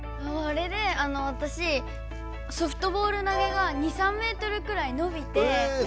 あれでわたしソフトボール投げが２３ｍくらいのびて。